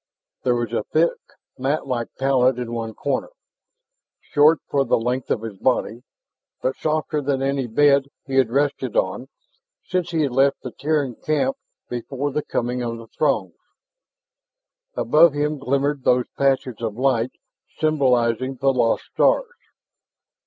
There was a thick mat like pallet in one corner, short for the length of his body, but softer than any bed he had rested on since he had left the Terran camp before the coming of the Throgs. Above him glimmered those patches of light symbolizing the lost stars.